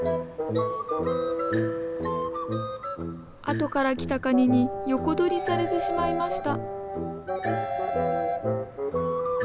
後から来たカニに横取りされてしまいました。